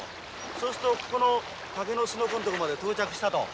そうするとここの竹のすのこのとこまで到着したと。